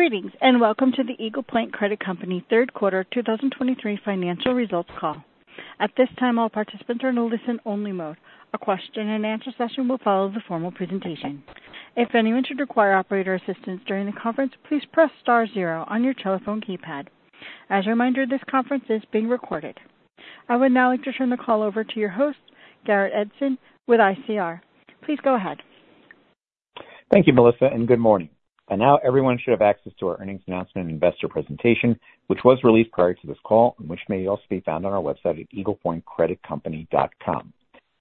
Greetings, and welcome to the Eagle Point Credit Company third quarter 2023 financial results call. At this time, all participants are in a listen-only mode. A question and answer session will follow the formal presentation. If anyone should require operator assistance during the conference, please press star zero on your telephone keypad. As a reminder, this conference is being recorded. I would now like to turn the call over to your host, Garrett Edson, with ICR. Please go ahead. Thank you, Melissa, and good morning. By now, everyone should have access to our earnings announcement and investor presentation, which was released prior to this call and which may also be found on our website at eaglepointcreditcompany.com.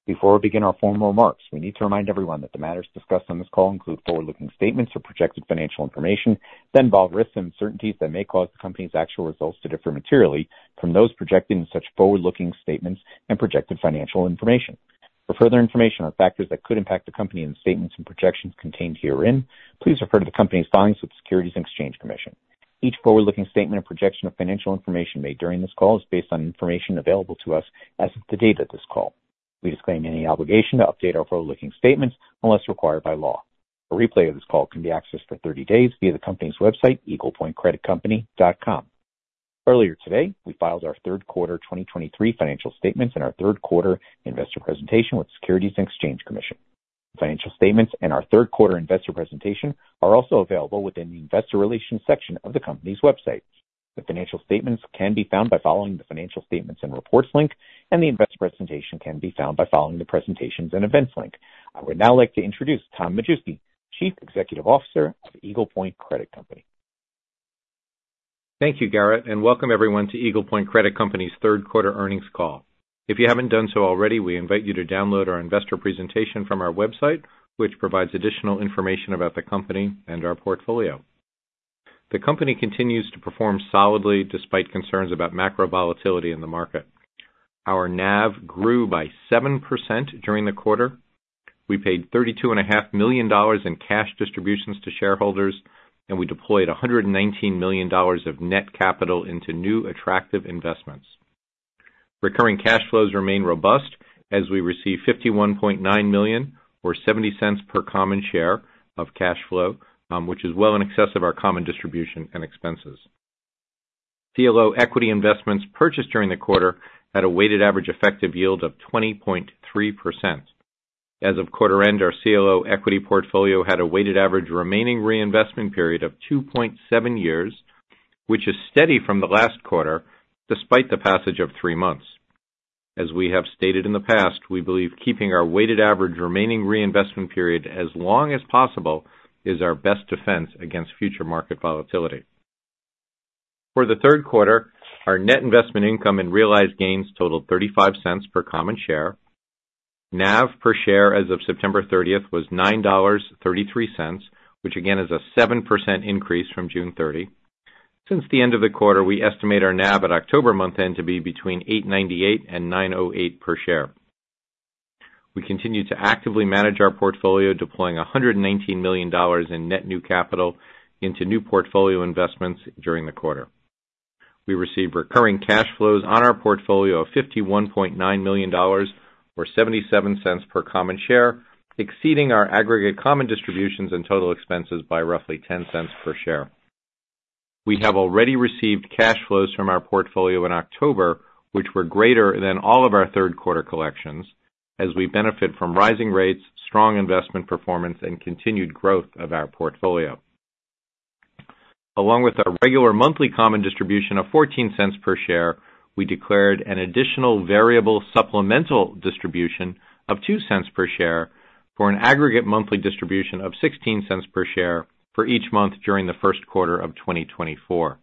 Before we begin our formal remarks, we need to remind everyone that the matters discussed on this call include forward-looking statements or projected financial information that involve risks and uncertainties that may cause the company's actual results to differ materially from those projected in such forward-looking statements and projected financial information. For further information on factors that could impact the company and the statements and projections contained herein, please refer to the company's filings with the Securities and Exchange Commission. Each forward-looking statement and projection of financial information made during this call is based on information available to us as of the date of this call. We disclaim any obligation to update our forward-looking statements unless required by law. A replay of this call can be accessed for 30 days via the company's website, eaglepointcreditcompany.com. Earlier today, we filed our third quarter 2023 financial statements and our third quarter investor presentation with the Securities and Exchange Commission. Financial statements and our third quarter investor presentation are also available within the Investor Relations section of the company's website. The financial statements can be found by following the Financial Statements and Reports link, and the investor presentation can be found by following the Presentations and Events link. I would now like to introduce Thomas Majewski, Chief Executive Officer of Eagle Point Credit Company. Thank you, Garrett, and welcome everyone to Eagle Point Credit Company's third quarter earnings call. If you haven't done so already, we invite you to download our investor presentation from our website, which provides additional information about the company and our portfolio. The company continues to perform solidly despite concerns about macro volatility in the market. Our NAV grew by 7% during the quarter. We paid $32.5 million in cash distributions to shareholders, and we deployed $119 million of net capital into new attractive investments. Recurring cash flows remain robust as we receive $51.9 million, or $0.70 per common share of cash flow, which is well in excess of our common distribution and expenses. CLO equity investments purchased during the quarter had a weighted average effective yield of 20.3%. As of quarter end, our CLO equity portfolio had a weighted average remaining reinvestment period of 2.7 years, which is steady from the last quarter, despite the passage of three months. As we have stated in the past, we believe keeping our weighted average remaining reinvestment period as long as possible is our best defense against future market volatility. For the third quarter, our net investment income and realized gains totaled $0.35 per common share. NAV per share as of September 30th was $9.33, which again is a 7% increase from June 30. Since the end of the quarter, we estimate our NAV at October month-end to be between $8.98 and $9.08 per share. We continue to actively manage our portfolio, deploying $119 million in net new capital into new portfolio investments during the quarter. We received recurring cash flows on our portfolio of $51.9 million, or $0.77 per common share, exceeding our aggregate common distributions and total expenses by roughly $0.10 per share. We have already received cash flows from our portfolio in October, which were greater than all of our third quarter collections, as we benefit from rising rates, strong investment performance, and continued growth of our portfolio. Along with our regular monthly common distribution of $0.14 per share, we declared an additional variable supplemental distribution of $0.02 per share for an aggregate monthly distribution of $0.16 per share for each month during the first quarter of 2024.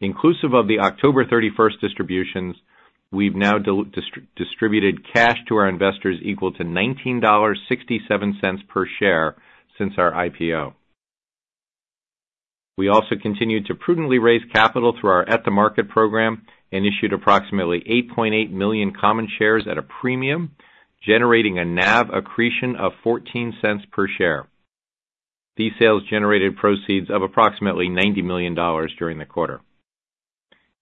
Inclusive of the October 31st distributions, we've now distributed cash to our investors equal to $19.67 per share since our IPO. We also continued to prudently raise capital through our at-the-market program and issued approximately 8.8 million common shares at a premium, generating a NAV accretion of $0.14 per share. These sales generated proceeds of approximately $90 million during the quarter.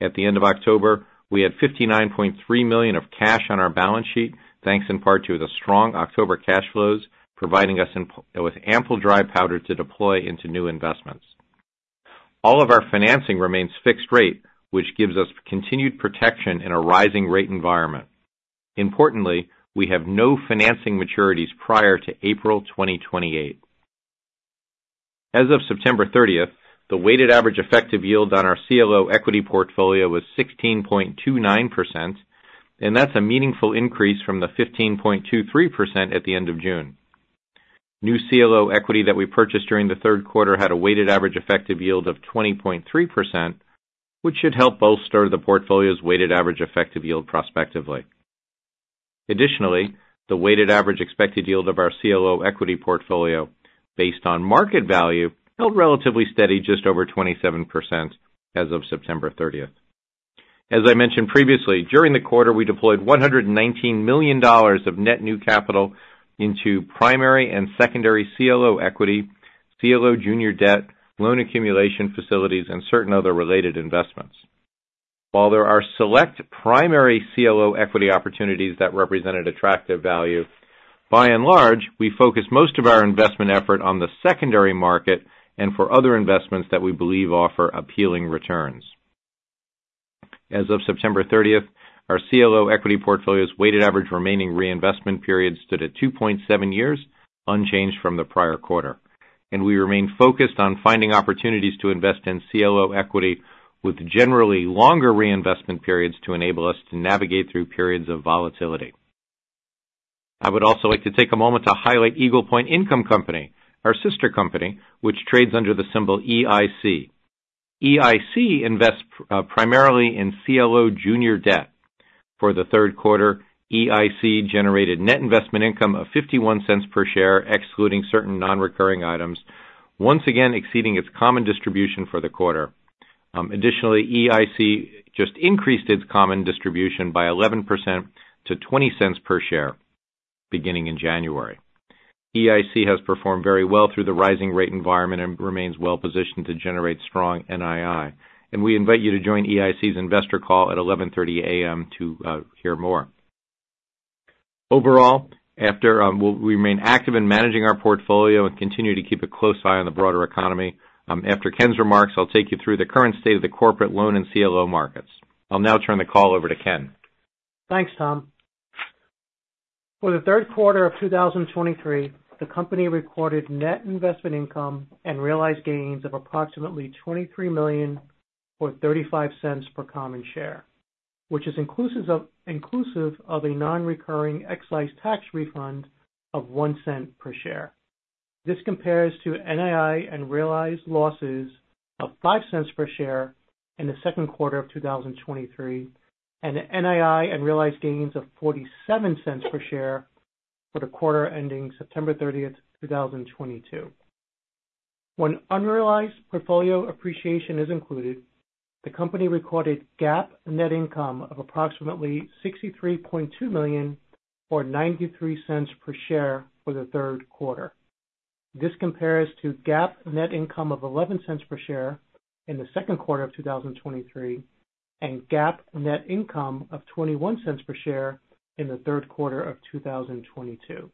At the end of October, we had $59.3 million of cash on our balance sheet, thanks in part to the strong October cash flows, providing us with ample dry powder to deploy into new investments. All of our financing remains fixed rate, which gives us continued protection in a rising rate environment. Importantly, we have no financing maturities prior to April 2028. As of September 30th, the weighted average effective yield on our CLO equity portfolio was 16.29%, and that's a meaningful increase from the 15.23% at the end of June. New CLO equity that we purchased during the third quarter had a weighted average effective yield of 20.3%, which should help bolster the portfolio's weighted average effective yield prospectively. Additionally, the weighted average expected yield of our CLO equity portfolio, based on market value, held relatively steady just over 27% as of September 30th. As I mentioned previously, during the quarter, we deployed $119 million of net new capital into primary and secondary CLO equity, CLO junior debt, loan accumulation facilities, and certain other related investments. While there are select primary CLO equity opportunities that represent an attractive value, by and large, we focus most of our investment effort on the secondary market and for other investments that we believe offer appealing returns. As of September 30th, our CLO equity portfolio's weighted average remaining reinvestment period stood at 2.7 years, unchanged from the prior quarter, and we remain focused on finding opportunities to invest in CLO equity with generally longer reinvestment periods to enable us to navigate through periods of volatility. I would also like to take a moment to highlight Eagle Point Income Company, our sister company, which trades under the symbol EIC. EIC invests primarily in CLO junior debt. For the third quarter, EIC generated net investment income of $0.51 per share, excluding certain non-recurring items, once again exceeding its common distribution for the quarter. Additionally, EIC just increased its common distribution by 11% to $0.20 per share, beginning in January. EIC has performed very well through the rising rate environment and remains well positioned to generate strong NII, and we invite you to join EIC's investor call at 11:30 A.M. to hear more. Overall, we'll remain active in managing our portfolio and continue to keep a close eye on the broader economy. After Ken's remarks, I'll take you through the current state of the corporate loan and CLO markets. I'll now turn the call over to Kenneth. Thanks, Thomas. For the third quarter of 2023, the company recorded net investment income and realized gains of approximately $23 million or $0.35 per common share, which is inclusive of a nonrecurring excise tax refund of $0.01 per share. This compares to NII and realized losses of $0.05 per share in the second quarter of 2023, and NII and realized gains of $0.47 per share for the quarter ending September 30th, 2022. When unrealized portfolio appreciation is included, the company recorded GAAP net income of approximately $63.2 million, or $0.93 per share for the third quarter. This compares to GAAP net income of $0.11 per share in the second quarter of 2023, and GAAP net income of $0.21 per share in the third quarter of 2022.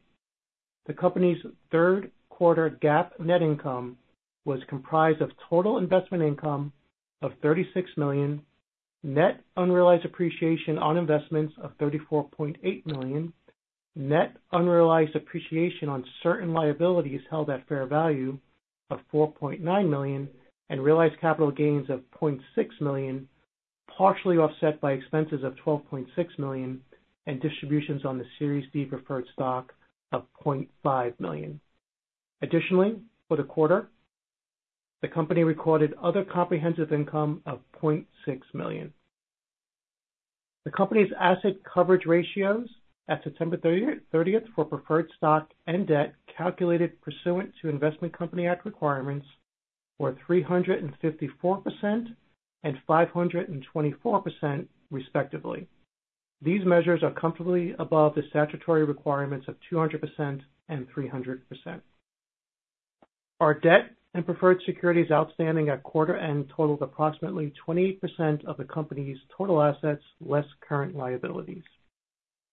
The company's third quarter GAAP net income was comprised of total investment income of $36 million, net unrealized appreciation on investments of $34.8 million, net unrealized appreciation on certain liabilities held at fair value of $4.9 million, and realized capital gains of $0.6 million, partially offset by expenses of $12.6 million, and distributions on the Series D Preferred Stock of $0.5 million. Additionally, for the quarter, the company recorded other comprehensive income of $0.6 million. The company's asset coverage ratios at September 30th for preferred stock and debt, calculated pursuant to Investment Company Act requirements, were 354% and 524%, respectively. These measures are comfortably above the statutory requirements of 200% and 300%. Our debt and preferred securities outstanding at quarter end totaled approximately 28% of the company's total assets, less current liabilities.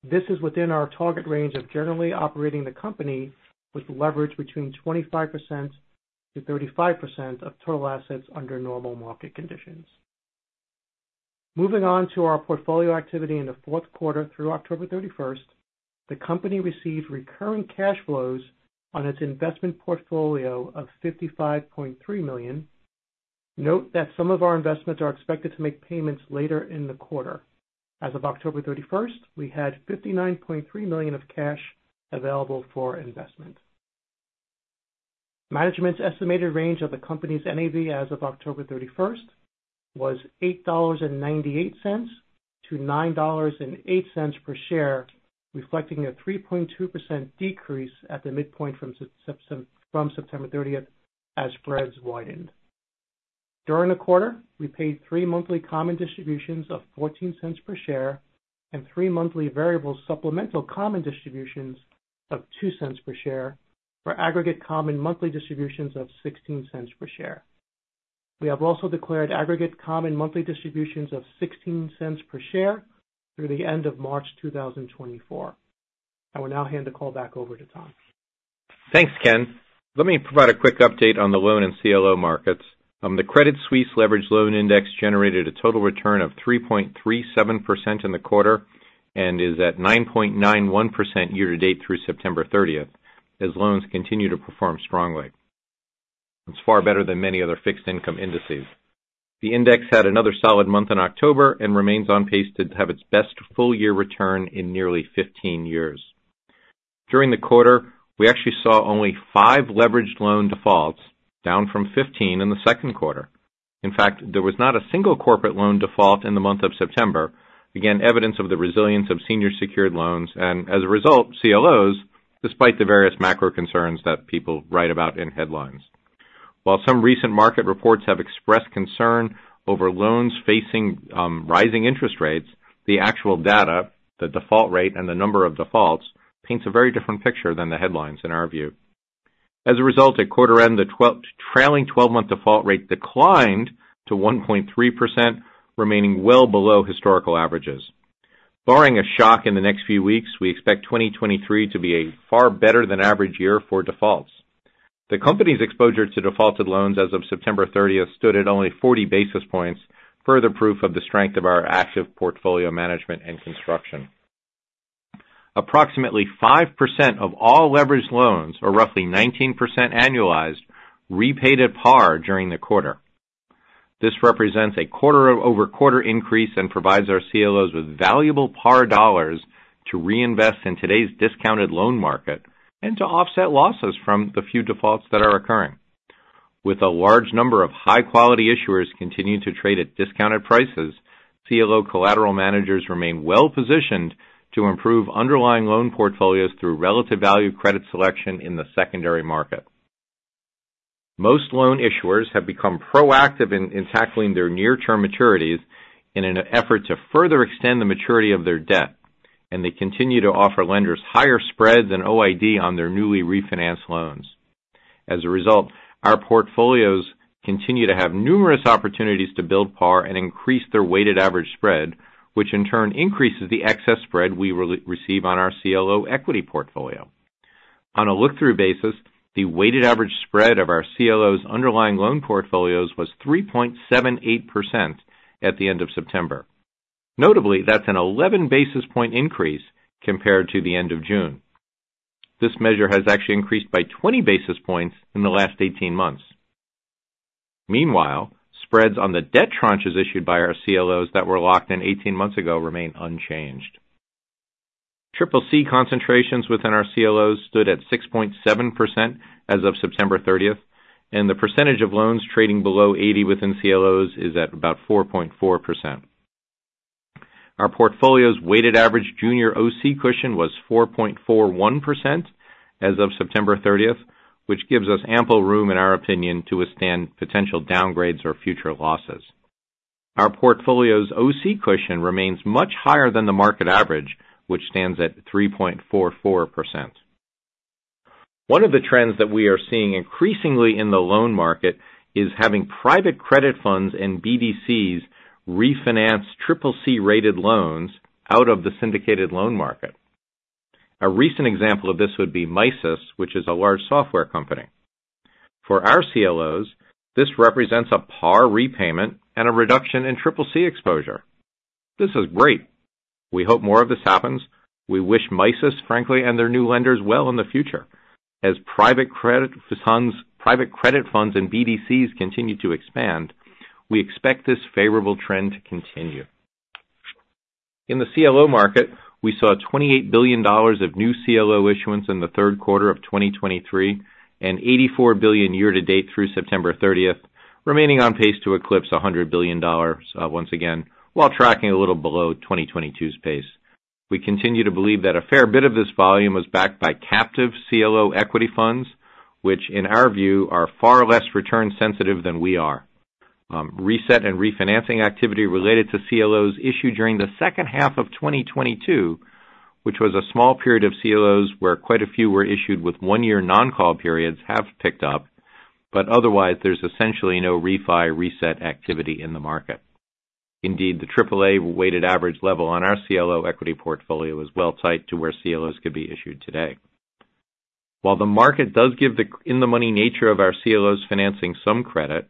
This is within our target range of generally operating the company with leverage between 25%-35% of total assets under normal market conditions. Moving on to our portfolio activity in the fourth quarter through October 31st, the company received recurring cash flows on its investment portfolio of $55.3 million. Note that some of our investments are expected to make payments later in the quarter. As of October 31st, we had $59.3 million of cash available for investment. Management's estimated range of the company's NAV as of October 31st was $8.98-$9.08 per share, reflecting a 3.2% decrease at the midpoint from September 30th, as spreads widened. During the quarter, we paid three monthly common distributions of $0.14 per share and three monthly variable supplemental common distributions of $0.02 per share for aggregate common monthly distributions of $0.16 per share. We have also declared aggregate common monthly distributions of $0.16 per share through the end of March 2024. I will now hand the call back over to Thomas. Thanks, Kenneth. Let me provide a quick update on the loan and CLO markets. The Credit Suisse Leveraged Loan Index generated a total return of 3.37% in the quarter and is at 9.91% year to date through September 30th, as loans continue to perform strongly. It's far better than many other fixed income indices. The index had another solid month in October and remains on pace to have its best full-year return in nearly 15 years. During the quarter, we actually saw only five leveraged loan defaults, down from 15 in the second quarter. In fact, there was not a single corporate loan default in the month of September. Again, evidence of the resilience of senior secured loans, and as a result, CLOs, despite the various macro concerns that people write about in headlines. While some recent market reports have expressed concern over loans facing rising interest rates, the actual data, the default rate, and the number of defaults paints a very different picture than the headlines in our view. As a result, at quarter end, the trailing twelve-month default rate declined to 1.3%, remaining well below historical averages. Barring a shock in the next few weeks, we expect 2023 to be a far better than average year for defaults. The company's exposure to defaulted loans as of September 30th stood at only 40 basis points, further proof of the strength of our active portfolio management and construction. Approximately 5% of all leveraged loans, or roughly 19% annualized, repaid at par during the quarter. This represents a quarter-over-quarter increase and provides our CLOs with valuable par dollars to reinvest in today's discounted loan market and to offset losses from the few defaults that are occurring. With a large number of high-quality issuers continuing to trade at discounted prices, CLO collateral managers remain well-positioned to improve underlying loan portfolios through relative value credit selection in the secondary market. Most loan issuers have become proactive in tackling their near-term maturities in an effort to further extend the maturity of their debt, and they continue to offer lenders higher spreads and OID on their newly refinanced loans. As a result, our portfolios continue to have numerous opportunities to build par and increase their weighted average spread, which in turn increases the excess spread we receive on our CLO equity portfolio. On a look-through basis, the weighted average spread of our CLO's underlying loan portfolios was 3.78% at the end of September. Notably, that's an 11 basis point increase compared to the end of June. This measure has actually increased by 20 basis points in the last 18 months. Meanwhile, spreads on the debt tranches issued by our CLOs that were locked in 18 months ago remain unchanged. CCC concentrations within our CLOs stood at 6.7% as of September 30th, and the percentage of loans trading below 80 within CLOs is at about 4.4%. Our portfolio's weighted average junior OC cushion was 4.41% as of September 30th, which gives us ample room, in our opinion, to withstand potential downgrades or future losses. Our portfolio's OC cushion remains much higher than the market average, which stands at 3.44%. One of the trends that we are seeing increasingly in the loan market is having private credit funds and BDCs refinance CCC-rated loans out of the syndicated loan market. A recent example of this would be MISys, which is a large software company. For our CLOs, this represents a par repayment and a reduction in CCC exposure. This is great. We hope more of this happens. We wish MISys, frankly, and their new lenders well in the future. As private credit funds, private credit funds and BDCs continue to expand, we expect this favorable trend to continue. In the CLO market, we saw $28 billion of new CLO issuance in the third quarter of 2023, and $84 billion year to date through September 30th, remaining on pace to eclipse $100 billion once again, while tracking a little below 2022's pace. We continue to believe that a fair bit of this volume was backed by captive CLO equity funds, which, in our view, are far less return sensitive than we are. Reset and refinancing activity related to CLOs issued during the second half of 2022, which was a small period of CLOs, where quite a few were issued with 1-year non-call periods, have picked up, but otherwise, there's essentially no refi reset activity in the market. Indeed, the AAA weighted average level on our CLO equity portfolio is well tight to where CLOs could be issued today. While the market does give the in-the-money nature of our CLOs financing some credit,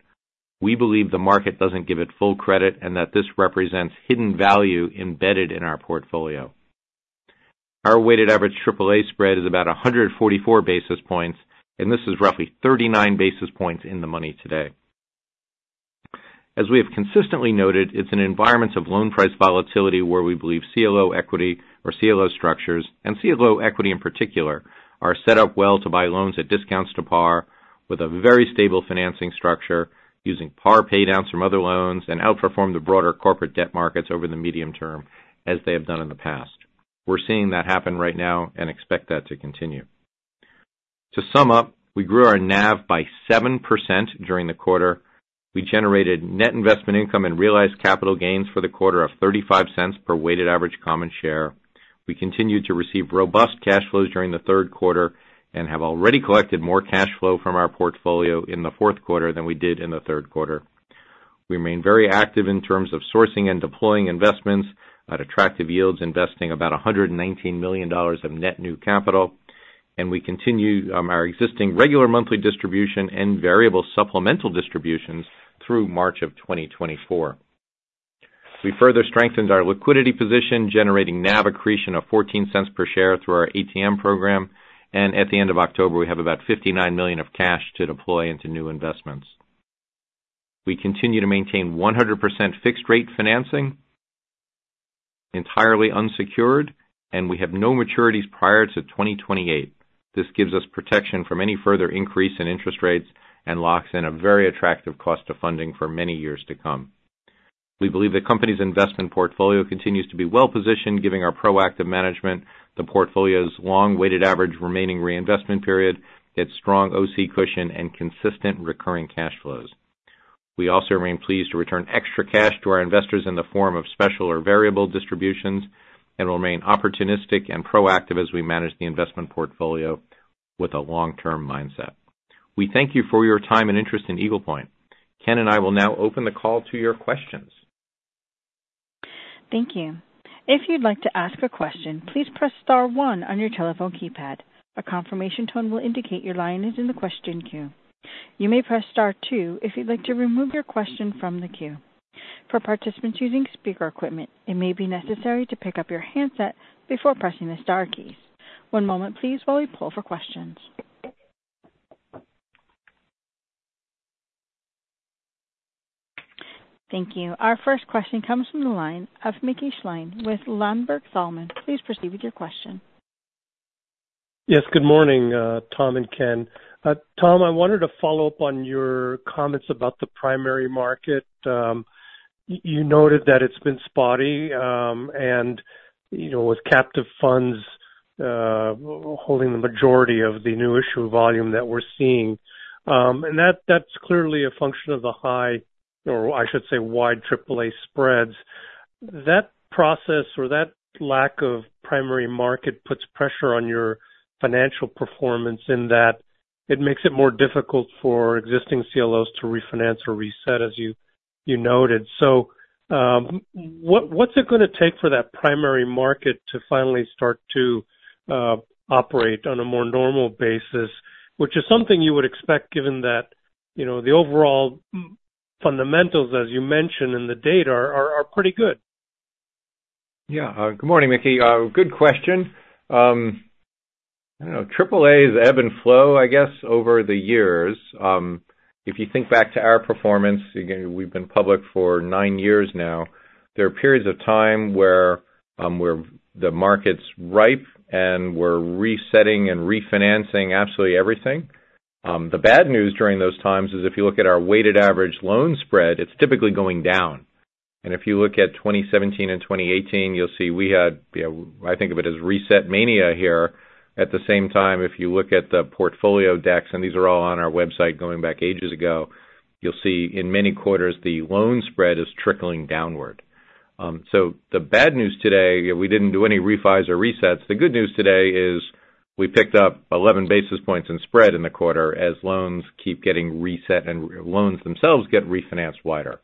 we believe the market doesn't give it full credit and that this represents hidden value embedded in our portfolio. Our weighted average AAA spread is about 144 basis points, and this is roughly 39 basis points in the money today. As we have consistently noted, it's an environment of loan price volatility, where we believe CLO equity or CLO structures, and CLO equity in particular, are set up well to buy loans at discounts to par with a very stable financing structure, using par paydowns from other loans and outperform the broader corporate debt markets over the medium term, as they have done in the past. We're seeing that happen right now and expect that to continue. To sum up, we grew our NAV by 7% during the quarter. We generated net investment income and realized capital gains for the quarter of $0.35 per weighted average common share. We continued to receive robust cash flows during the third quarter and have already collected more cash flow from our portfolio in the fourth quarter than we did in the third quarter. We remain very active in terms of sourcing and deploying investments at attractive yields, investing about $119 million of net new capital, and we continue our existing regular monthly distribution and variable supplemental distributions through March 2024. We further strengthened our liquidity position, generating NAV accretion of $0.14 per share through our ATM program, and at the end of October, we have about $59 million of cash to deploy into new investments. We continue to maintain 100% fixed-rate financing, entirely unsecured, and we have no maturities prior to 2028. This gives us protection from any further increase in interest rates and locks in a very attractive cost of funding for many years to come. We believe the company's investment portfolio continues to be well-positioned, giving our proactive management the portfolio's long, weighted average, remaining reinvestment period, its strong OC cushion, and consistent recurring cash flows... We also remain pleased to return extra cash to our investors in the form of special or variable distributions and remain opportunistic and proactive as we manage the investment portfolio with a long-term mindset. We thank you for your time and interest in Eagle Point. Ken and I will now open the call to your questions. Thank you. If you'd like to ask a question, please press star one on your telephone keypad. A confirmation tone will indicate your line is in the question queue. You may press star two if you'd like to remove your question from the queue. For participants using speaker equipment, it may be necessary to pick up your handset before pressing the star keys. One moment please while we pull for questions. Thank you. Our first question comes from the line of Mickey Schleien with Ladenburg Thalmann. Please proceed with your question. Yes, good morning, Thomas and Kenneth. Thomas, I wanted to follow up on your comments about the primary market. You noted that it's been spotty, and, you know, with captive funds holding the majority of the new issue volume that we're seeing. And that, that's clearly a function of the high, or I should say, wide AAA spreads. That process or that lack of primary market puts pressure on your financial performance in that it makes it more difficult for existing CLOs to refinance or reset, as you noted. So, what, what's it gonna take for that primary market to finally start to operate on a more normal basis, which is something you would expect, given that, you know, the overall fundamentals, as you mentioned in the data, are pretty good? Yeah. Good morning, Mickey. Good question. I don't know, AAA is ebb and flow, I guess, over the years. If you think back to our performance, again, we've been public for nine years now. There are periods of time where the market's ripe and we're resetting and refinancing absolutely everything. The bad news during those times is if you look at our weighted average loan spread, it's typically going down. And if you look at 2017 and 2018, you'll see we had, you know, I think of it as reset mania here. At the same time, if you look at the portfolio decks, and these are all on our website going back ages ago, you'll see in many quarters, the loan spread is trickling downward. So the bad news today, we didn't do any refis or resets. The good news today is we picked up 11 basis points in spread in the quarter as loans keep getting reset and loans themselves get refinanced wider.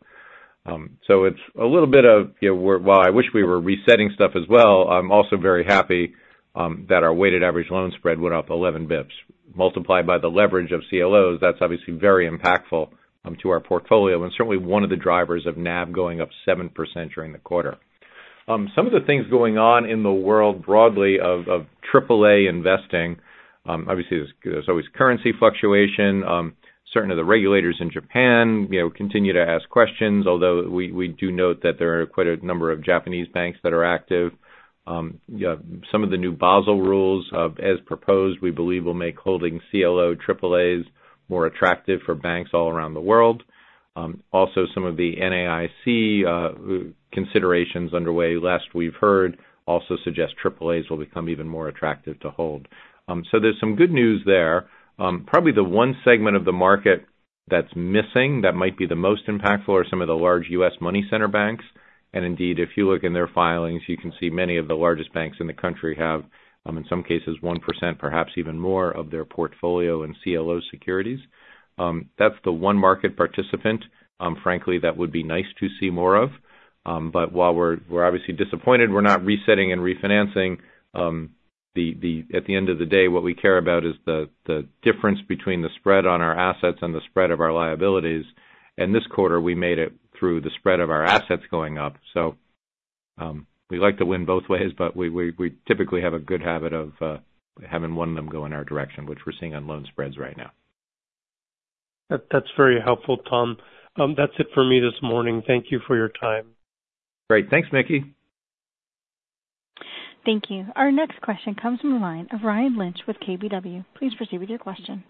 So it's a little bit of, you know, we're while I wish we were resetting stuff as well, I'm also very happy that our weighted average loan spread went up 11 basis points. Multiplied by the leverage of CLOs, that's obviously very impactful to our portfolio and certainly one of the drivers of NAV going up 7% during the quarter. Some of the things going on in the world, broadly of AAA investing, obviously, there's always currency fluctuation. Certainly, the regulators in Japan, you know, continue to ask questions, although we do note that there are quite a number of Japanese banks that are active. Yeah, some of the new Basel Rules, as proposed, we believe, will make holding CLO AAAs more attractive for banks all around the world. Also, some of the NAIC considerations underway, last we've heard, also suggest AAAs will become even more attractive to hold. So there's some good news there. Probably the one segment of the market that's missing, that might be the most impactful, are some of the large U.S. money center banks. And indeed, if you look in their filings, you can see many of the largest banks in the country have, in some cases, 1%, perhaps even more of their portfolio in CLO securities. That's the one market participant, frankly, that would be nice to see more of. But while we're obviously disappointed we're not resetting and refinancing, at the end of the day, what we care about is the difference between the spread on our assets and the spread of our liabilities. And this quarter, we made it through the spread of our assets going up. We like to win both ways, but we typically have a good habit of having one of them go in our direction, which we're seeing on loan spreads right now. That, that's very helpful, Thomas. That's it for me this morning. Thank you for your time. Great. Thanks, Mickey. Thank you. Our next question comes from the line of Ryan Lynch with KBW. Please proceed with your question.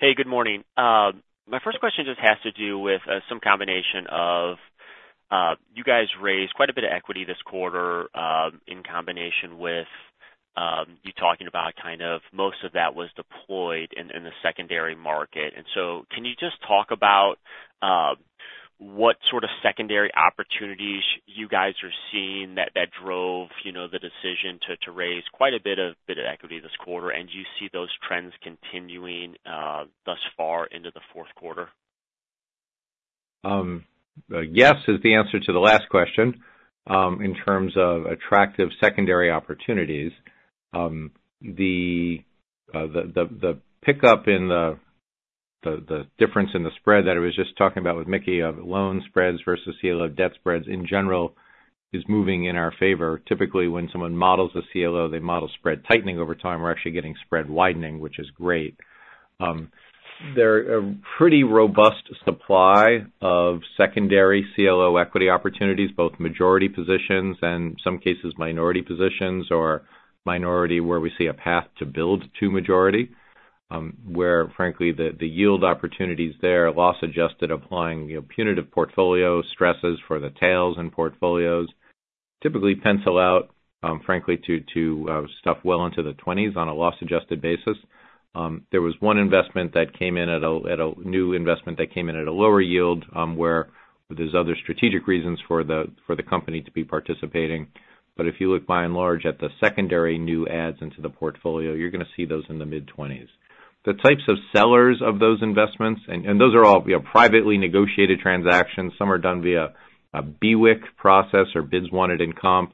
Hey, good morning. My first question just has to do with some combination of you guys raised quite a bit of equity this quarter in combination with you talking about kind of most of that was deployed in the secondary market. And so can you just talk about what sort of secondary opportunities you guys are seeing that that drove you know the decision to to raise quite a bit of bit of equity this quarter? And do you see those trends continuing thus far into the fourth quarter? Yes is the answer to the last question. In terms of attractive secondary opportunities, the pickup in the difference in the spread that I was just talking about with Mickey of loan spreads versus CLO debt spreads, in general, is moving in our favor. Typically, when someone models a CLO, they model spread tightening over time. We're actually getting spread widening, which is great. There are a pretty robust supply of secondary CLO equity opportunities, both majority positions and some cases, minority positions, or minority, where we see a path to build to majority, where frankly, the yield opportunities there, loss-adjusted, applying, you know, punitive portfolio stresses for the tails and portfolios typically pencil out, frankly, to stuff well into the twenties on a loss-adjusted basis. There was one new investment that came in at a lower yield, where there are other strategic reasons for the company to be participating. But if you look, by and large, at the secondary new adds into the portfolio, you're gonna see those in the mid-twenties. The types of sellers of those investments, and those are all, you know, privately negotiated transactions. Some are done via a BWIC process or bids wanted in comp.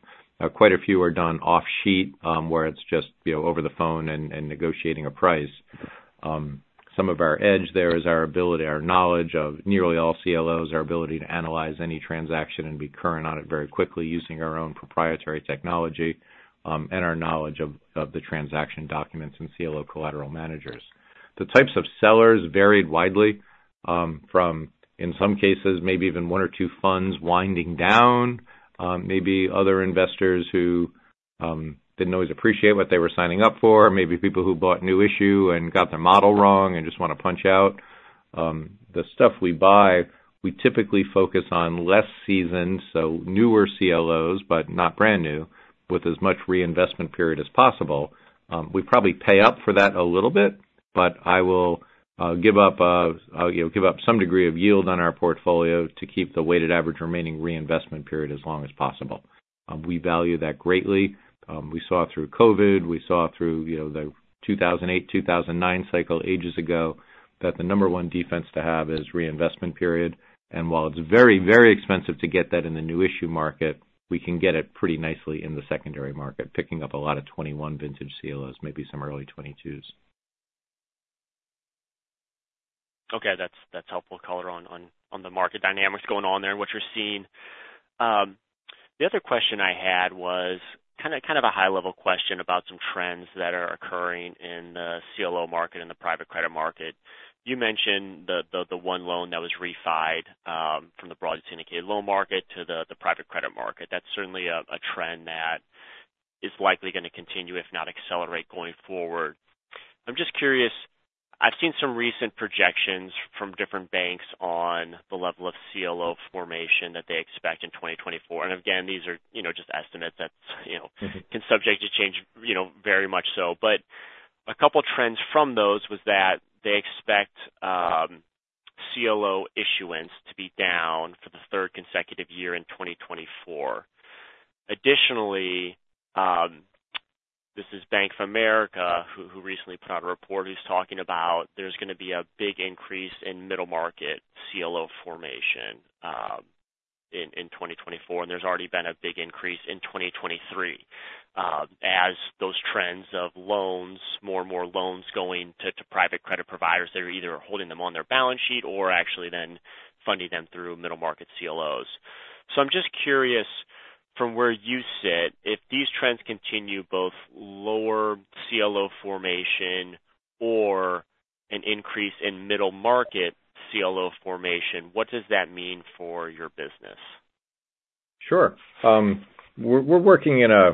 Quite a few are done off-sheet, where it's just, you know, over the phone and negotiating a price. Some of our edge there is our ability, our knowledge of nearly all CLOs, our ability to analyze any transaction and be current on it very quickly, using our own proprietary technology, and our knowledge of the transaction documents and CLO collateral managers. The types of sellers varied widely, from, in some cases, maybe even one or two funds winding down, maybe other investors who didn't always appreciate what they were signing up for, maybe people who bought new issue and got their model wrong and just wanna punch out. The stuff we buy, we typically focus on less seasoned, so newer CLOs, but not brand new, with as much reinvestment period as possible. We probably pay up for that a little bit, but I will give up, you know, give up some degree of yield on our portfolio to keep the weighted average remaining reinvestment period as long as possible. We value that greatly. We saw through COVID, we saw through, you know, the 2008, 2009 cycle ages ago, that the number one defense to have is reinvestment period. And while it's very, very expensive to get that in the new issue market, we can get it pretty nicely in the secondary market, picking up a lot of 2021 vintage CLOs, maybe some early 2022s. Okay, that's helpful color on the market dynamics going on there and what you're seeing. The other question I had was kind of a high-level question about some trends that are occurring in the CLO market and the private credit market. You mentioned the one loan that was refi'd from the broadly syndicated loan market to the private credit market. That's certainly a trend that is likely gonna continue, if not accelerate, going forward. I'm just curious, I've seen some recent projections from different banks on the level of CLO formation that they expect in 2024. And again, these are, you know, just estimates that, you know- Mm-hmm. Can subject to change, you know, very much so. But a couple of trends from those was that they expect CLO issuance to be down for the third consecutive year in 2024. Additionally, this is Bank of America, who recently put out a report, who's talking about there's gonna be a big increase in middle market CLO formation in 2024, and there's already been a big increase in 2023, as those trends of loans, more and more loans going to private credit providers that are either holding them on their balance sheet or actually then funding them through middle market CLOs. So I'm just curious, from where you sit, if these trends continue, both lower CLO formation or an increase in middle market CLO formation, what does that mean for your business? Sure. We're working in a,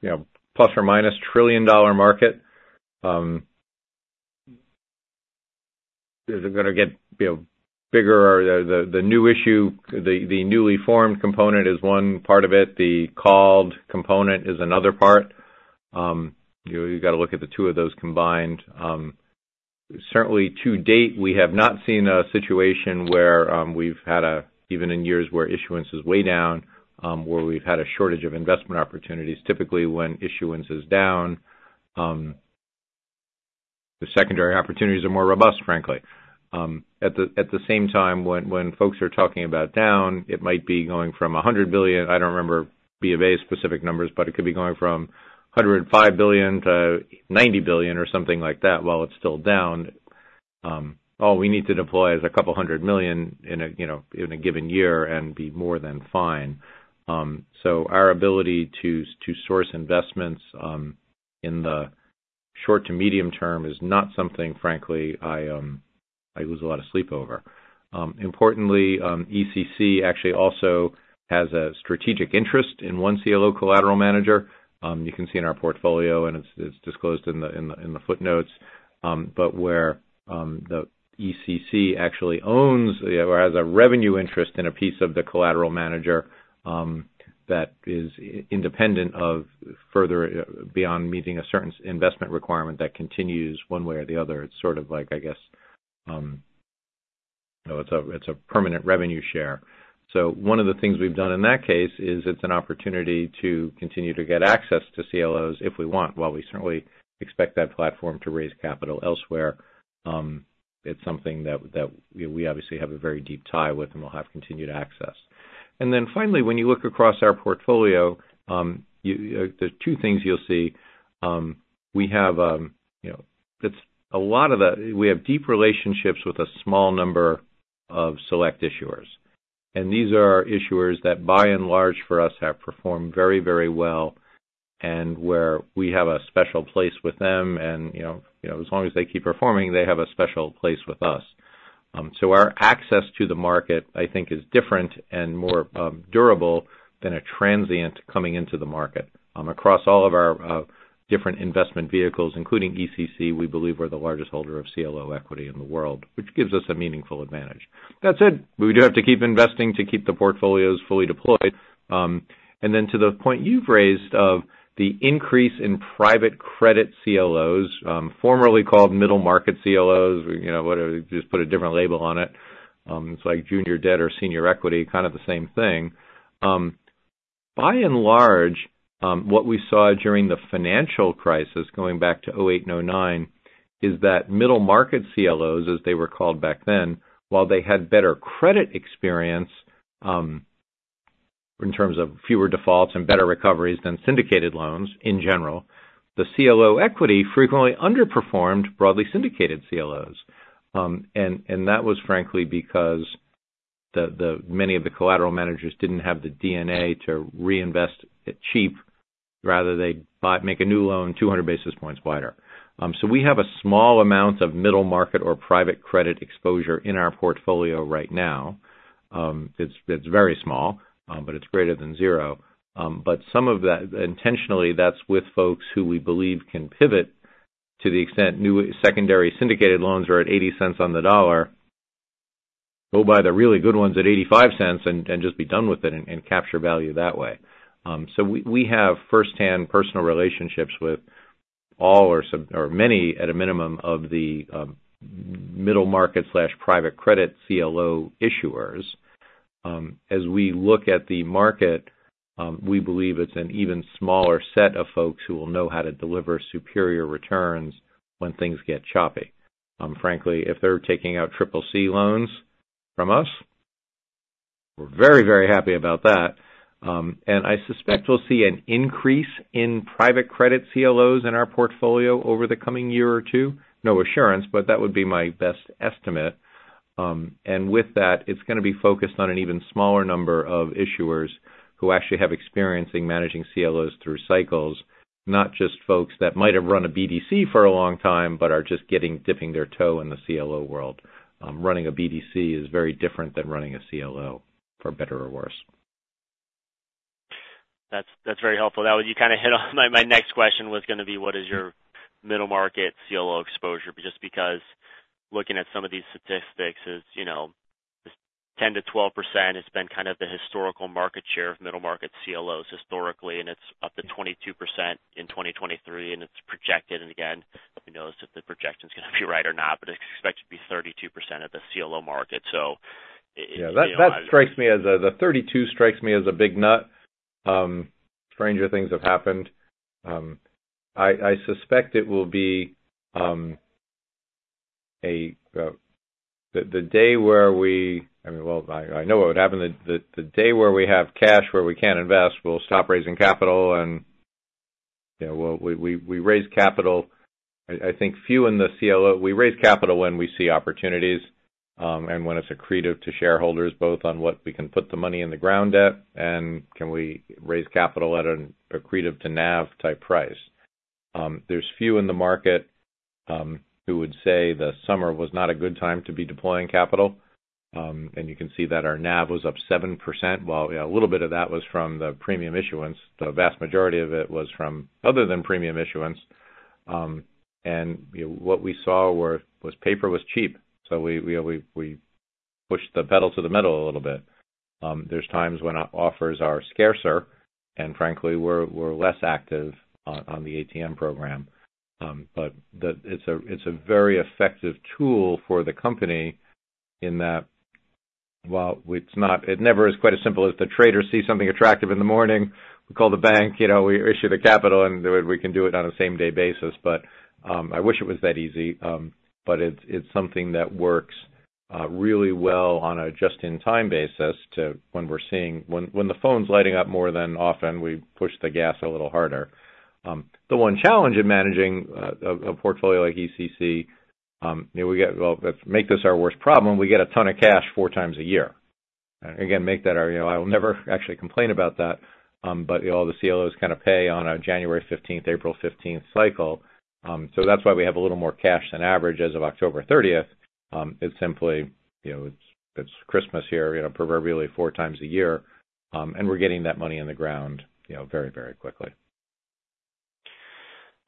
you know, ±$1 trillion-dollar market. Is it gonna get, you know, bigger or the new issue—the newly formed component is one part of it, the called component is another part. You gotta look at the two of those combined. Certainly, to date, we have not seen a situation where, we've had a—even in years where issuance is way down, where we've had a shortage of investment opportunities. Typically, when issuance is down, the secondary opportunities are more robust, frankly. At the same time, when folks are talking about down, it might be going from $100 billion... I don't remember B of A specific numbers, but it could be going from $105 billion-$90 billion or something like that, while it's still down. All we need to deploy is $200 million in a, you know, in a given year and be more than fine. So our ability to source investments in the short to medium term is not something, frankly, I lose a lot of sleep over. Importantly, ECC actually also has a strategic interest in one CLO collateral manager. You can see in our portfolio, and it's disclosed in the footnotes. But where the ECC actually owns or has a revenue interest in a piece of the collateral manager, that is independent of further beyond meeting a certain investment requirement that continues one way or the other. It's sort of like, I guess, you know, it's a, it's a permanent revenue share. So one of the things we've done in that case is it's an opportunity to continue to get access to CLOs if we want. While we certainly expect that platform to raise capital elsewhere, it's something that, that we obviously have a very deep tie with, and we'll have continued access. And then finally, when you look across our portfolio, you there are two things you'll see. We have, you know, it's a lot of the—we have deep relationships with a small number of select issuers. These are issuers that, by and large, for us, have performed very, very well and where we have a special place with them, and, you know, you know, as long as they keep performing, they have a special place with us. So our access to the market, I think, is different and more, durable than a transient coming into the market. Across all of our, different investment vehicles, including ECC, we believe we're the largest holder of CLO equity in the world, which gives us a meaningful advantage. That said, we do have to keep investing to keep the portfolios fully deployed. And then to the point you've raised of the increase in private credit CLOs, formerly called middle market CLOs, you know, whatever, just put a different label on it. It's like junior debt or senior equity, kind of the same thing. By and large, what we saw during the financial crisis, going back to 2008 and 2009, is that middle market CLOs, as they were called back then, while they had better credit experience, in terms of fewer defaults and better recoveries than syndicated loans, in general, the CLO equity frequently underperformed broadly syndicated CLOs. And that was frankly because the many of the collateral managers didn't have the DNA to reinvest it cheap. Rather, they make a new loan, 200 basis points wider. So we have a small amount of middle market or private credit exposure in our portfolio right now. It's very small, but it's greater than zero. But some of that, intentionally, that's with folks who we believe can pivot to the extent new secondary syndicated loans are at 80 cents on the dollar. Go buy the really good ones at 85 cents and just be done with it and capture value that way. So we have firsthand personal relationships with all or some or many, at a minimum, of the middle market/private credit CLO issuers. As we look at the market, we believe it's an even smaller set of folks who will know how to deliver superior returns when things get choppy. Frankly, if they're taking out triple C loans from us, we're very, very happy about that. And I suspect we'll see an increase in private credit CLOs in our portfolio over the coming year or two. No assurance, but that would be my best estimate. And with that, it's gonna be focused on an even smaller number of issuers who actually have experience in managing CLOs through cycles, not just folks that might have run a BDC for a long time, but are just dipping their toe in the CLO world. Running a BDC is very different than running a CLO, for better or worse. That's, that's very helpful. That was—you kind of hit on my, my next question was gonna be: What is your middle market CLO exposure? Just because looking at some of these statistics is, you know, 10%-12% has been kind of the historical market share of middle market CLOs historically, and it's up to 22% in 2023, and it's projected, and again, who knows if the projection is gonna be right or not, but it's expected to be 32% of the CLO market. So- Yeah, that strikes me as a—the 32 strikes me as a big nut. Stranger things have happened. I suspect it will be a... The day where we, I mean, well, I know what would happen. The day where we have cash, where we can't invest, we'll stop raising capital and, you know, we'll—we raise capital... I think few in the CLO—we raise capital when we see opportunities, and when it's accretive to shareholders, both on what we can put the money in the ground at and can we raise capital at an accretive to NAV-type price. There's few in the market who would say the summer was not a good time to be deploying capital. And you can see that our NAV was up 7%. While a little bit of that was from the premium issuance, the vast majority of it was from other than premium issuance. And, you know, what we saw was paper was cheap, so we pushed the pedal to the metal a little bit. There's times when offers are scarcer, and frankly, we're less active on the ATM program. But it's a very effective tool for the company in that, while it's not-- it never is quite as simple as the traders see something attractive in the morning, we call the bank, you know, we issue the capital, and we can do it on a same-day basis. But I wish it was that easy. But it's, it's something that works really well on a just-in-time basis to when we're seeing when, when the phone's lighting up more than often, we push the gas a little harder. The one challenge in managing a portfolio like ECC, you know, we get, well, make this our worst problem, we get a ton of cash four times a year. Again, make that our, you know, I will never actually complain about that. But, you know, the CLOs kind of pay on a January 15th, April 15th cycle. So that's why we have a little more cash than average as of October 30th. It's simply, you know, it's, it's Christmas here, you know, proverbially four times a year. And we're getting that money in the ground, you know, very, very quickly.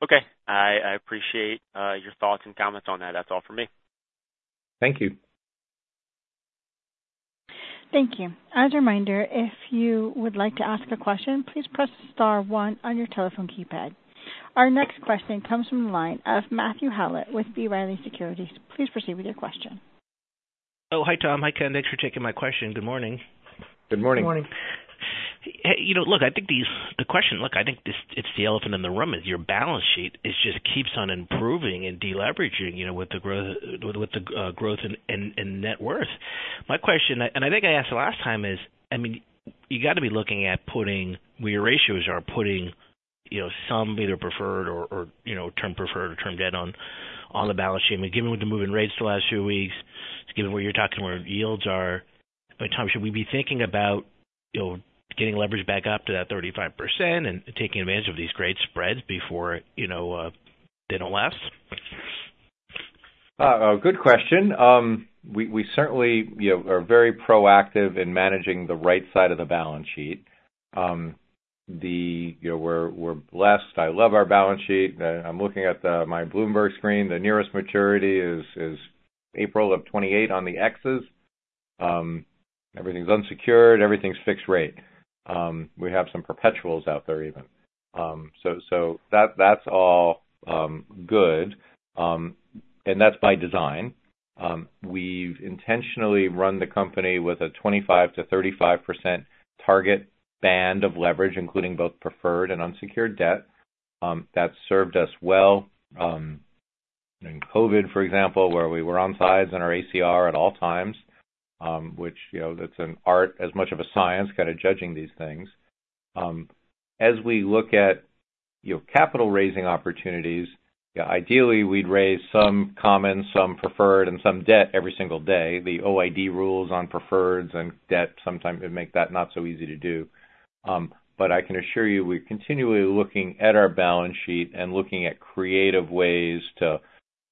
Okay. I appreciate your thoughts and comments on that. That's all for me. Thank you. Thank you. As a reminder, if you would like to ask a question, please press star one on your telephone keypad. Our next question comes from the line of Matthew Howlett with B. Riley Securities. Please proceed with your question. Oh, hi, Thomas. Hi, Kenneth. Thanks for taking my question. Good morning. Good morning. Good morning. Hey, you know, look, I think these—the question, look, I think this, it's the elephant in the room is your balance sheet. It just keeps on improving and deleveraging, you know, with the growth, with the growth and net worth. My question, and I think I asked the last time, is, I mean, you got to be looking at putting where your ratios are, putting, you know, some either preferred or, or, you know, term preferred or term debt on the balance sheet. I mean, given with the moving rates the last few weeks, given where you're talking, where yields are... But Thomas, should we be thinking about, you know, getting leverage back up to that 35% and taking advantage of these great spreads before, you know, they don't last? A good question. We certainly, you know, are very proactive in managing the right side of the balance sheet. You know, we're blessed. I love our balance sheet. I'm looking at my Bloomberg screen. The nearest maturity is April of 2028 on the X's. Everything's unsecured, everything's fixed rate. We have some perpetuals out there even. So that's all good. And that's by design. We've intentionally run the company with a 25%-35% target band of leverage, including both preferred and unsecured debt. That's served us well in COVID, for example, where we were on sides in our ACR at all times, which, you know, that's an art as much of a science, kind of judging these things. As we look at, you know, capital raising opportunities, yeah, ideally, we'd raise some common, some preferred, and some debt every single day. The OID rules on preferreds and debt, sometimes it make that not so easy to do. But I can assure you, we're continually looking at our balance sheet and looking at creative ways to,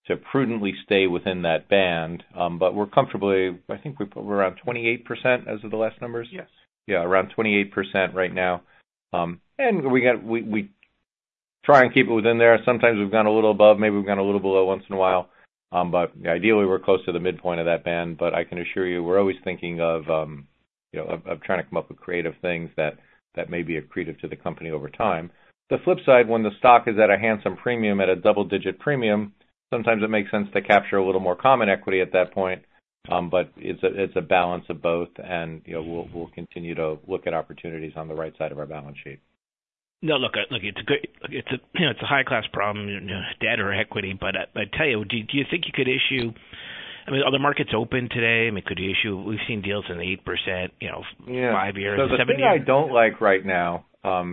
to prudently stay within that band. But we're comfortably... I think we're around 28% as of the last numbers? Yes. Yeah, around 28% right now. We try and keep it within there. Sometimes we've gone a little above, maybe we've gone a little below once in a while, but ideally, we're close to the midpoint of that band. But I can assure you, we're always thinking of, you know, trying to come up with creative things that may be accretive to the company over time. The flip side, when the stock is at a handsome premium, at a double-digit premium, sometimes it makes sense to capture a little more common equity at that point. But it's a balance of both, and, you know, we'll continue to look at opportunities on the right side of our balance sheet. No, look, look, it's a good—it's a, you know, it's a high-class problem, you know, debt or equity, but I tell you, do you think you could issue... I mean, are the markets open today? I mean, could you issue—we've seen deals in the 8%, you know- Yeah. 5 years, 7 years. So the thing I don't like right now,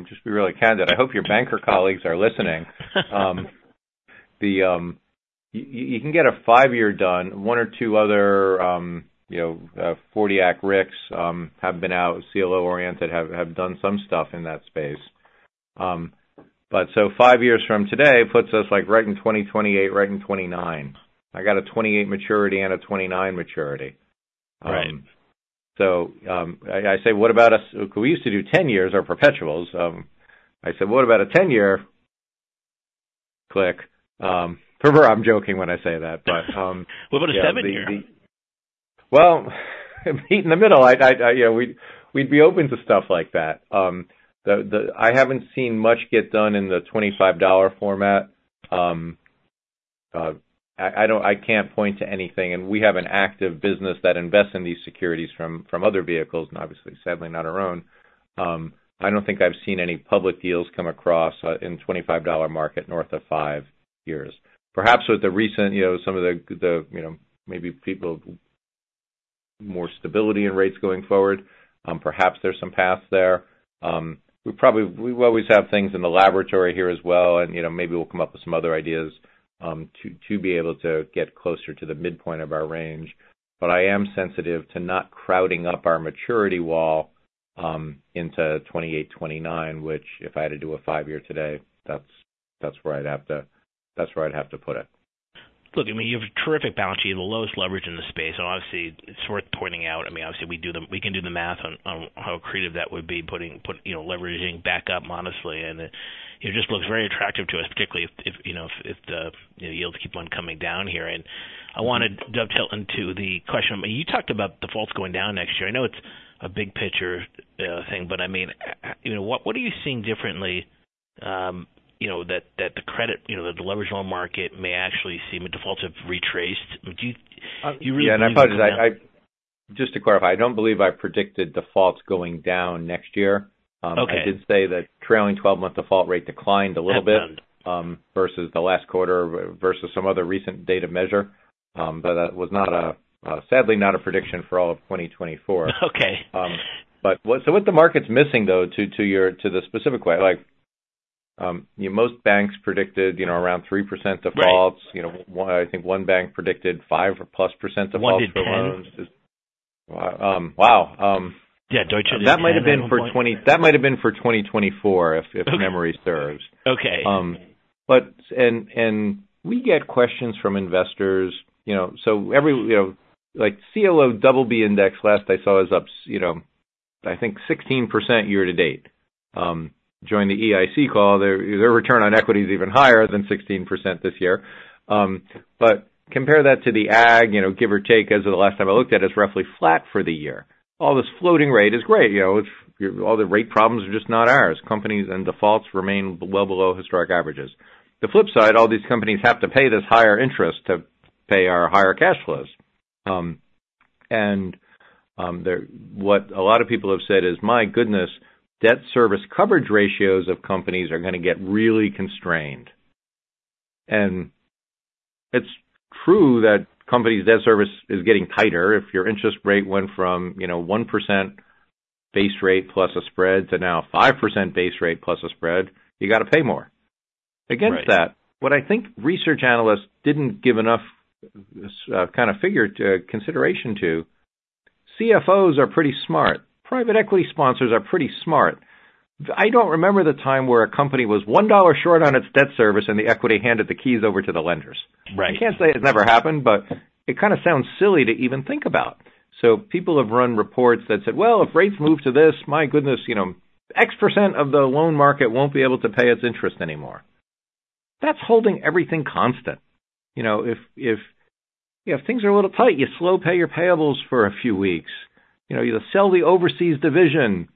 just to be really candid, I hope your banker colleagues are listening. You can get a five-year done. One or two other, you know, 40 AC RICS have been out, CLO-oriented, have done some stuff in that space. But so five years from today puts us, like, right in 2028, right in 2029. I got a 2028 maturity and a 2029 maturity. Right. So, I say, what about us? We used to do 10 years or perpetuals. I said, "What about a 10-year CLO?" For real, I'm joking when I say that, but, What about a seven-year? Well, meet in the middle. I, you know, we'd be open to stuff like that. I haven't seen much get done in the $25 format. I can't point to anything, and we have an active business that invests in these securities from other vehicles, and obviously, sadly, not our own. I don't think I've seen any public deals come across in $25 market north of five years. Perhaps with the recent, you know, more stability in rates going forward, perhaps there's some path there. We've always have things in the laboratory here as well, and, you know, maybe we'll come up with some other ideas to be able to get closer to the midpoint of our range. I am sensitive to not crowding up our maturity wall into 2028, 2029, which, if I had to do a five-year today, that's, that's where I'd have to, that's where I'd have to put it. Look, I mean, you have a terrific balance sheet, the lowest leverage in the space. So obviously, it's worth pointing out. I mean, obviously, we can do the math on how creative that would be, putting you know leveraging back up modestly. And it just looks very attractive to us, particularly if you know if the you know yields keep on coming down here. And I wanted to dovetail into the question. You talked about defaults going down next year. I know it's a big picture thing, but I mean you know what are you seeing differently you know that the credit you know the leveraged loan market may actually see defaults have retraced? Do you- Yeah, and I probably, just to clarify, I don't believe I predicted defaults going down next year. Okay. I did say that trailing 12-month default rate declined a little bit. Understood... versus the last quarter, versus some other recent data measure. But that was, sadly, not a prediction for all of 2024. Okay. So what the market's missing, though, to the specific way, like, most banks predicted, you know, around 3% defaults. Right. You know, I think one bank predicted 5% or plus defaults loans. One to 10. Wow! Yeah, Deutsche- That might have been for 2024, if- Okay... if memory serves. Okay. But we get questions from investors, you know, so every, you know, like CLO double B index, last I saw, is up, you know, I think 16% year to date. Joined the EIC call, their, their return on equity is even higher than 16% this year. But compare that to the AGG, you know, give or take, as of the last time I looked at, it's roughly flat for the year. All this floating rate is great. You know, it's all the rate problems are just not ours. Companies and defaults remain well below historic averages. The flip side, all these companies have to pay this higher interest to pay our higher cash flows. And, the... What a lot of people have said is, "My goodness, debt service coverage ratios of companies are gonna get really constrained." It's true that companies' debt service is getting tighter. If your interest rate went from, you know, 1% base rate plus a spread, to now 5% base rate plus a spread, you gotta pay more.... Against that, what I think research analysts didn't give enough, kind of figure to consideration to, CFOs are pretty smart. Private equity sponsors are pretty smart. I don't remember the time where a company was $1 short on its debt service, and the equity handed the keys over to the lenders. Right. You can't say it's never happened, but it kind of sounds silly to even think about. So people have run reports that said, "Well, if rates move to this, my goodness, you know, X% of the loan market won't be able to pay its interest anymore." That's holding everything constant. You know, if things are a little tight, you slow pay your payables for a few weeks, you know, you sell the overseas division,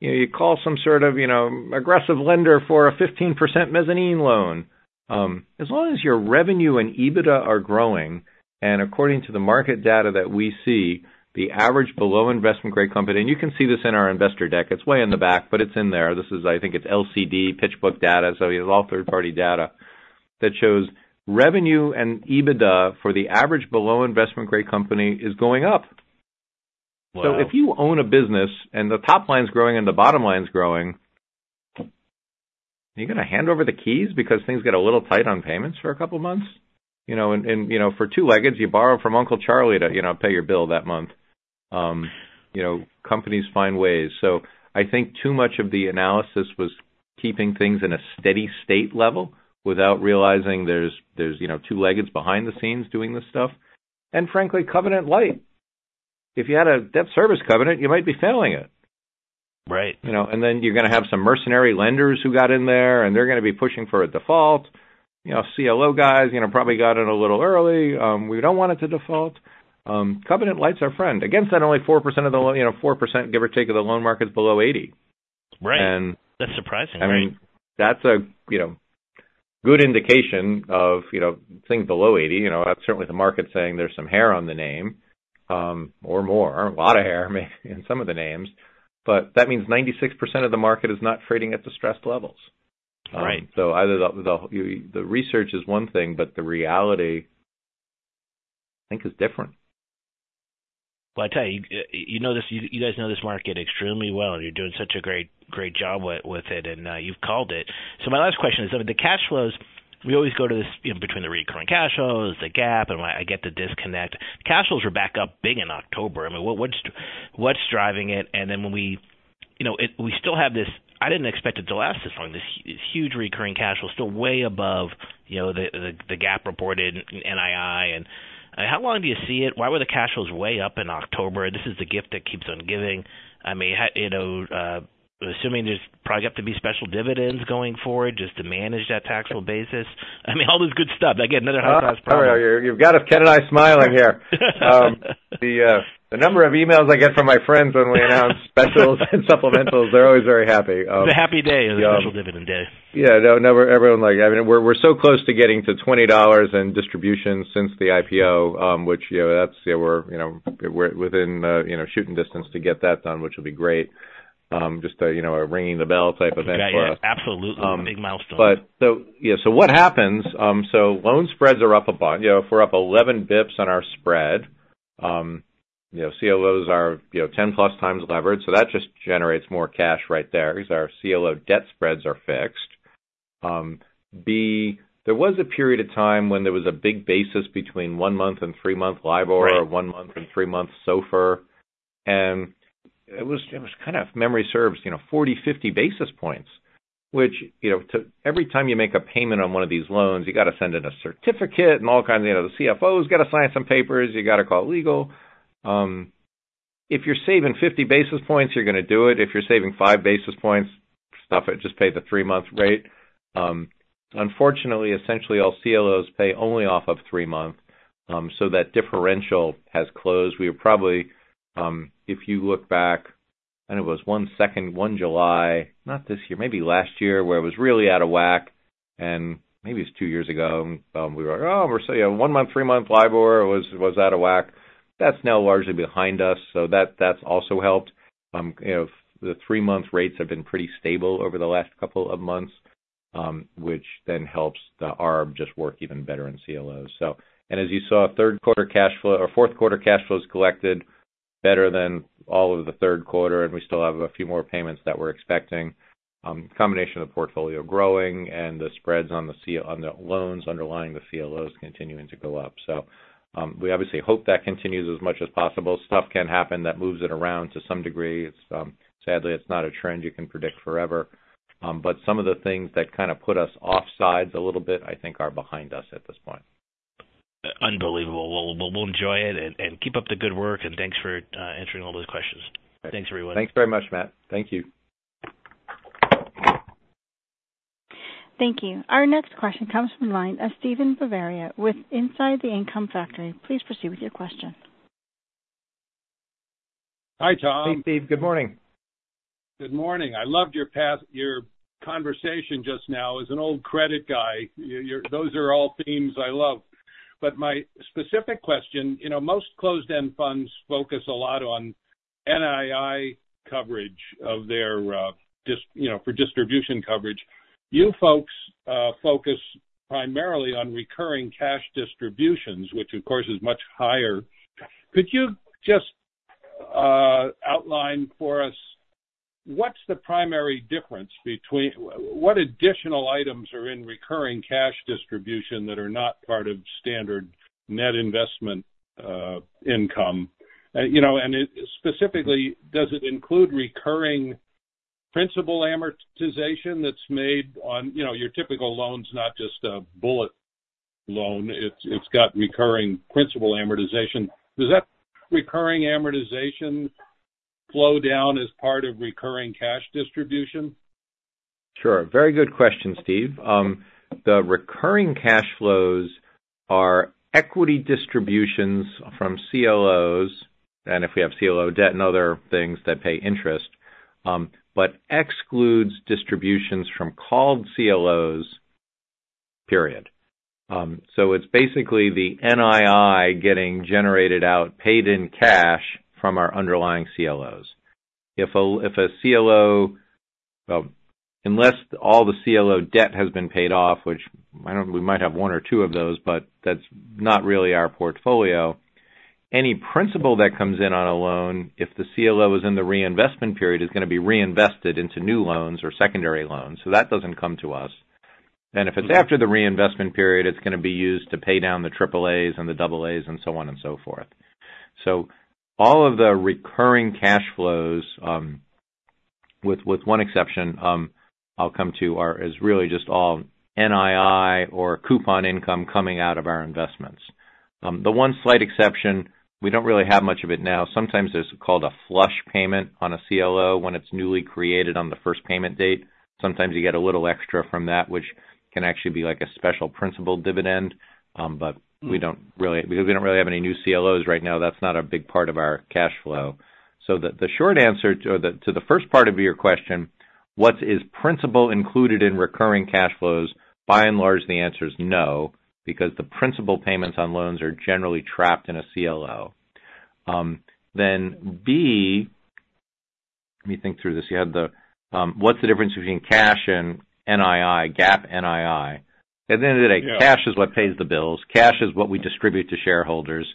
you know, you call some sort of, you know, aggressive lender for a 15% mezzanine loan. As long as your revenue and EBITDA are growing, and according to the market data that we see, the average below investment-grade company, and you can see this in our investor deck. It's way in the back, but it's in there. This is, I think it's LCD pitch book data, so it's all third-party data that shows revenue and EBITDA for the average below investment-grade company is going up. Wow! So if you own a business and the top line is growing and the bottom line is growing, are you going to hand over the keys because things get a little tight on payments for a couple of months? You know, and, and you know, for two-leggeds, you borrow from Uncle Charlie to, you know, pay your bill that month. You know, companies find ways. So I think too much of the analysis was keeping things in a steady state level without realizing there's, there's, you know, two-leggeds behind the scenes doing this stuff. And frankly, covenant-light. If you had a debt service covenant, you might be failing it. Right. You know, and then you're going to have some mercenary lenders who got in there, and they're going to be pushing for a default. You know, CLO guys, you know, probably got in a little early. We don't want it to default. Covenant-lite's our friend. Against that, only 4% of the loan market is below 80, you know, 4%, give or take. Right. And- That's surprising. I mean, that's a, you know, good indication of, you know, things below 80. You know, that's certainly the market saying there's some hair on the name, or more, a lot of hair in some of the names, but that means 96% of the market is not trading at distressed levels. Right. Either the research is one thing, but the reality, I think, is different. Well, I tell you, you know this, you guys know this market extremely well. You're doing such a great, great job with it, and you've called it. So my last question is, the cash flows, we always go to this, you know, between the recurring cash flows, the gap, and I get the disconnect. Cash flows are back up big in October. I mean, what's driving it? And then when we... you know, it—we still have this. I didn't expect it to last this long, this huge recurring cash flow still way above, you know, the GAAP reported NII. And how long do you see it? Why were the cash flows way up in October? This is the gift that keeps on giving. I mean, how, you know, assuming there's probably up to be special dividends going forward just to manage that taxable basis. I mean, all this good stuff. I get another high-cross problem. You've got Ken and I smiling here. The number of emails I get from my friends when we announce specials and supplementals, they're always very happy. It's a happy day, a special dividend day. Yeah. No, everyone like, I mean, we're, we're so close to getting to $20 in distribution since the IPO, which, you know, that's, we're, you know, we're within, you know, shooting distance to get that done, which will be great. Just a, you know, a ringing the bell type event for us. Absolutely. Big milestone. But, so, yeah, so what happens, so loan spreads are up a bunch. You know, if we're up 11 basis points on our spread, you know, CLOs are, you know, 10+ times levered, so that just generates more cash right there because our CLO debt spreads are fixed. B, there was a period of time when there was a big basis between one-month and three-month LIBOR- Right. or one month and three-month SOFR, and it was kind of, memory serves, you know, 40, 50 basis points, which, you know, to every time you make a payment on one of these loans, you got to send in a certificate and all kinds, you know, the CFO's got to sign some papers, you got to call legal. If you're saving 50 basis points, you're going to do it. If you're saving five basis points, stop it, just pay the three-month rate. Unfortunately, essentially all CLOs pay only off of three-month, so that differential has closed. We are probably, if you look back and it was one second one July, not this year, maybe last year, where it was really out of whack, and maybe it's two years ago, we were, "Oh, we're saying one month, three-month LIBOR was out of whack." That's now largely behind us, so that's also helped. You know, the three-month rates have been pretty stable over the last couple of months, which then helps the arb just work even better in CLOs. So, as you saw, third quarter cash flow or fourth quarter cash flows collected better than all of the third quarter, and we still have a few more payments that we're expecting. Combination of the portfolio growing and the spreads on the loans underlying the CLOs continuing to go up. So, we obviously hope that continues as much as possible. Stuff can happen that moves it around to some degree. It's, sadly, it's not a trend you can predict forever. But some of the things that kind of put us offsides a little bit, I think, are behind us at this point. Unbelievable. Well, we'll enjoy it and, and keep up the good work, and thanks for answering all those questions. Thanks, everyone. Thanks very much, Matthew. Thank you. Thank you. Our next question comes from the line of Steven Bavaria, with Inside the Income Factory. Please proceed with your question. Hi, Thomas. Hey, Steven. Good morning. Good morning. I loved your path, your conversation just now. As an old credit guy, you're those are all themes I love. But my specific question, you know, most closed-end funds focus a lot on NII coverage of their just, you know, for distribution coverage. You folks focus primarily on recurring cash distributions, which of course is much higher. Could you just outline for us, what's the primary difference between what additional items are in recurring cash distribution that are not part of standard net investment income? You know, and specifically, does it include recurring principal amortization that's made on, you know, your typical loans, not just a bullet loan. It's, it's got recurring principal amortization. Does that recurring amortization flow down as part of recurring cash distribution? Sure. Very good question, Steven. The recurring cash flows are equity distributions from CLOs, and if we have CLO debt and other things that pay interest, but excludes distributions from called CLOs, period. So it's basically the NII getting generated out, paid in cash from our underlying CLOs. Well, unless all the CLO debt has been paid off, which I don't know, we might have one or two of those, but that's not really our portfolio. Any principal that comes in on a loan, if the CLO is in the reinvestment period, is going to be reinvested into new loans or secondary loans. So that doesn't come to us. And if it's after the reinvestment period, it's going to be used to pay down the Triple As and the Double As and so on and so forth. So all of the recurring cash flows, with one exception, I'll come to, are really just all NII or coupon income coming out of our investments. The one slight exception, we don't really have much of it now. Sometimes there's called a flush payment on a CLO when it's newly created on the first payment date. Sometimes you get a little extra from that, which can actually be like a special principal dividend. But we don't really, because we don't really have any new CLOs right now, that's not a big part of our cash flow. So the short answer to the first part of your question, what is principal included in recurring cash flows? By and large, the answer is no, because the principal payments on loans are generally trapped in a CLO. Then B, let me think through this. You had the, what's the difference between cash and NII, GAAP, NII? At the end of the day- Yeah. Cash is what pays the bills. Cash is what we distribute to shareholders.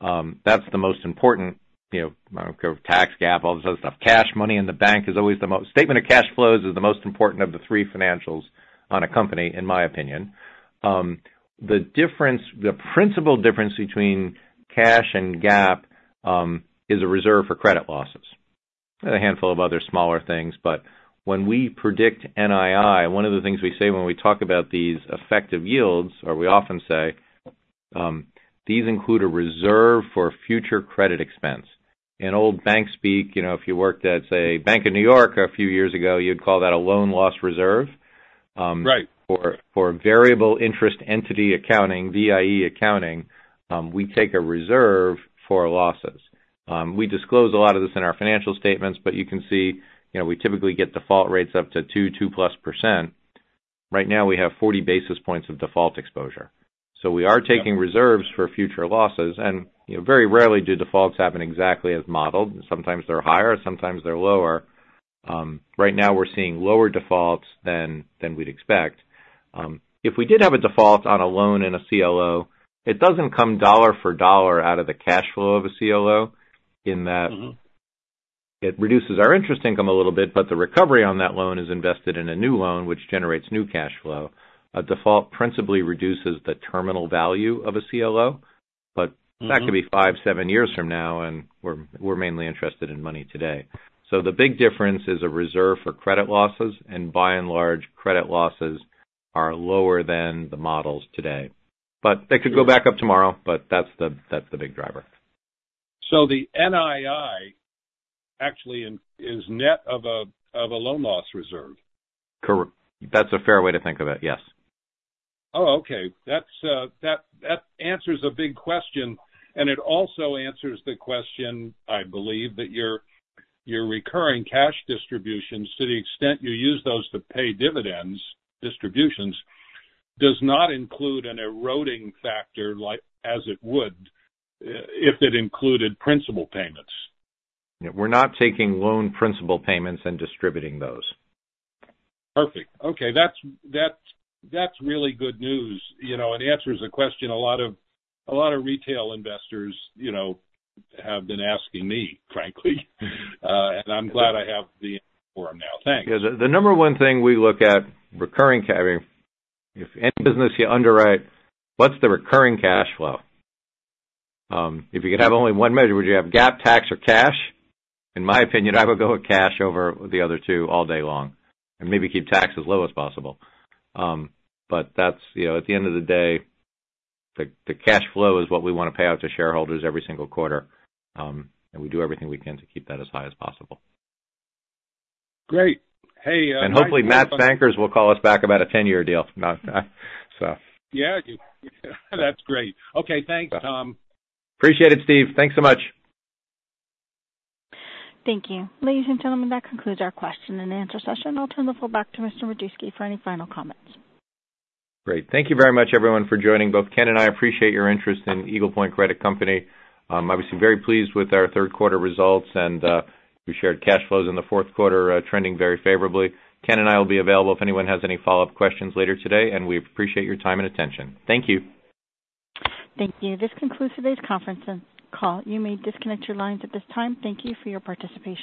That's the most important, you know, tax, GAAP, all this other stuff. Cash, money in the bank is always the most... Statement of cash flows is the most important of the three financials on a company, in my opinion. The difference, the principal difference between cash and GAAP, is a reserve for credit losses and a handful of other smaller things. But when we predict NII, one of the things we say when we talk about these effective yields, or we often say, these include a reserve for future credit expense. In old bank speak, you know, if you worked at, say, Bank of New York a few years ago, you'd call that a loan loss reserve. Right. For variable interest entity accounting, VIE accounting, we take a reserve for losses. We disclose a lot of this in our financial statements, but you can see, you know, we typically get default rates up to 2%, 2+%. Right now, we have 40 basis points of default exposure. So we are taking reserves for future losses, and, you know, very rarely do defaults happen exactly as modeled. Sometimes they're higher, sometimes they're lower. Right now we're seeing lower defaults than we'd expect. If we did have a default on a loan in a CLO, it doesn't come dollar for dollar out of the cash flow of a CLO in that- Mm-hmm. It reduces our interest income a little bit, but the recovery on that loan is invested in a new loan, which generates new cash flow. A default principally reduces the terminal value of a CLO, but- Mm-hmm... that could be five, seven years from now, and we're, we're mainly interested in money today. So the big difference is a reserve for credit losses, and by and large, credit losses are lower than the models today. But they could go back up tomorrow, but that's the, that's the big driver. So the NII actually is net of a loan loss reserve? Correct. That's a fair way to think of it, yes. Oh, okay. That's that answers a big question, and it also answers the question, I believe, that your recurring cash distributions, to the extent you use those to pay dividends, distributions, does not include an eroding factor like as it would if it included principal payments. Yeah. We're not taking loan principal payments and distributing those. Perfect. Okay, that's really good news, you know, and answers a question a lot of retail investors, you know, have been asking me, frankly, and I'm glad I have the forum now. Thanks. Yeah. The number one thing we look at recurring, I mean, if any business you underwrite, what's the recurring cash flow? If you could have only one measure, would you have GAAP, tax, or cash? In my opinion, I would go with cash over the other two all day long, and maybe keep tax as low as possible. But that's, you know, at the end of the day, the cash flow is what we want to pay out to shareholders every single quarter. And we do everything we can to keep that as high as possible. Great! Hey, Hopefully, Matt's bankers will call us back about a 10-year deal, not... so. Yeah. That's great. Okay, thanks, Thomas. Appreciate it, Steven. Thanks so much. Thank you. Ladies and gentlemen, that concludes our question and answer session. I'll turn the floor back to Mr. Majewski for any final comments. Great. Thank you very much, everyone, for joining. Both Kenneth and I appreciate your interest in Eagle Point Credit Company. Obviously, very pleased with our third quarter results and, we shared cash flows in the fourth quarter, trending very favorably. Kenneth and I will be available if anyone has any follow-up questions later today, and we appreciate your time and attention. Thank you. Thank you. This concludes today's conference call. You may disconnect your lines at this time. Thank you for your participation.